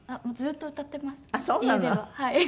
もうずっと歌ってます家では。